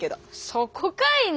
そこかいな。